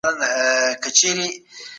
روغتیايي خدمتونه څنګه ارزول کیږي؟